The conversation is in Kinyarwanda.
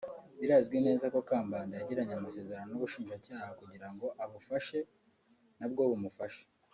Birazwi neza ko Kambanda yagiranye amasezerano n’ubushinja cyaha kugirango abufashe nabwo bumufashe